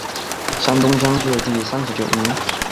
山东乡试第三十九名。